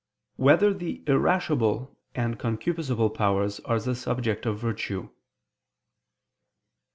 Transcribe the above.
4] Whether the Irascible and Concupiscible Powers Are the Subject of Virtue?